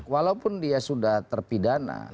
walaupun dia sudah terpidana